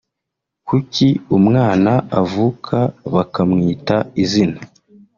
Kuki umwana avuka bakamwita izina